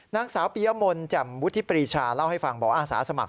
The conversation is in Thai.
นางสาวปียมนต์แจ่มวุฒิปรีชาเล่าให้ฟังบอกอาสาสมัคร